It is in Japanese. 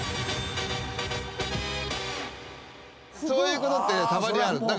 そういうことってねたまにある。